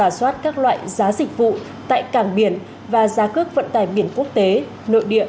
giá các loại giá dịch vụ tại cảng biển và giá cước vận tải biển quốc tế nội địa